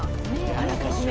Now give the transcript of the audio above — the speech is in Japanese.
あらかじめ。